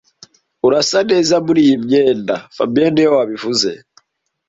Urasa neza muri iyo myenda fabien niwe wabivuze